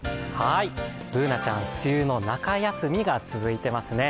Ｂｏｏｎａちゃん、梅雨の中休みが続いてますね。